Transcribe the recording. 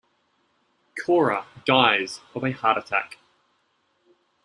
Cora dies of a heart attack.